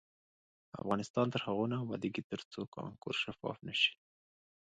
افغانستان تر هغو نه ابادیږي، ترڅو کانکور شفاف نشي.